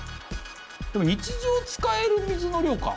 でも日常使える水の量か。